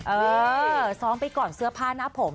เออซ้อมไปก่อนเสื้อผ้าหน้าผม